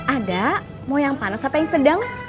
ada mau yang panas apa yang sedang